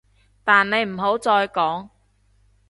但你唔好再講